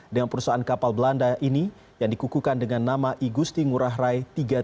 dengan perusahaan kapal belanda ini yang dikukukan dengan nama igusti ngurah rai tiga ratus dua puluh